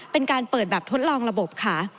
เป็นการเปิดแบบทดลองระบบค่ะ